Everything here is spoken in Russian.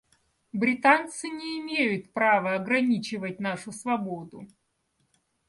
Британцы не имеют права ограничивать нашу свободу.